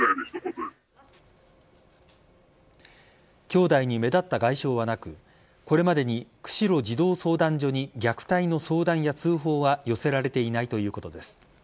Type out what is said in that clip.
兄弟に目立った外傷はなくこれまでに釧路児童相談所に虐待の相談や通報は寄せられていないということです。